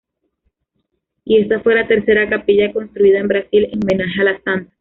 Y esa fue la tercera capilla construida en Brasil en homenaje a la santa.